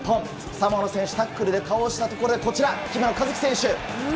サモアの選手、タックルで倒したところで、こちら、姫野和樹選手。